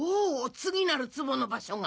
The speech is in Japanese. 次なる壺の場所が！